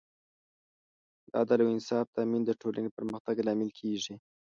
د عدل او انصاف تامین د ټولنې پرمختګ لامل کېږي.